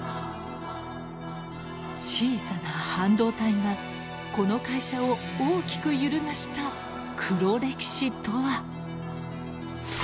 小さな半導体がこの会社を大きく揺るがした黒歴史とは。